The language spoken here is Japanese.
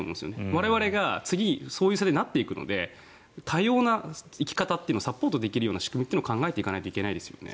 我々が、次そういう世代になっていくので多様な生き方をサポートできる仕組みを考えていかないといけないですよね。